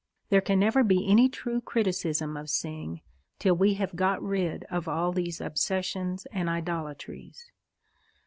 There can never be any true criticism of Synge till we have got rid of all these obsessions and idolatries.